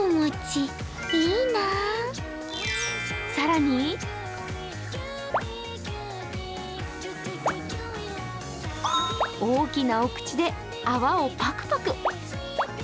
更に大きなお口で泡をパクパク。